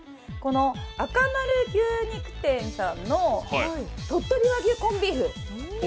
あかまる牛肉店さんの鳥取和牛コンビーフ。